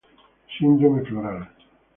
Síndrome floral